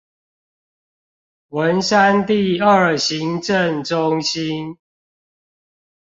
文山第二行政中心